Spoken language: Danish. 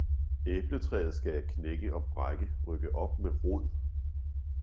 - Æbletræet skal jeg knække og brække, rykke op med Rod.